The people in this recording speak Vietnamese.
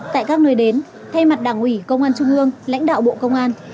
tại các nơi đến thay mặt đảng ủy công an trung ương lãnh đạo bộ công an